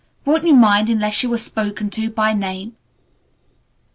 "Won't you mind unless you are spoken to by name?"